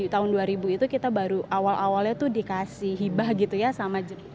tahun dua ribu itu kita baru awal awalnya dikasih hibah gitu ya sama jenis